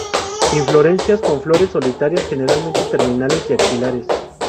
Inflorescencia con flores solitarias, generalmente terminales y axilares.